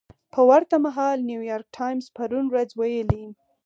په ورته مهال نیویارک ټایمز پرون ورځ ویلي